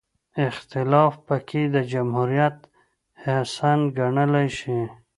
اختلاف پکې د جمهوریت حسن ګڼلی شي.